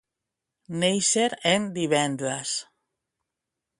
Néixer en divendres.